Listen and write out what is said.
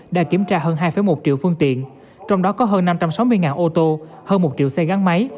đã kiểm tra hơn hai một triệu phương tiện trong đó có hơn năm trăm sáu mươi ô tô hơn một triệu xe gắn máy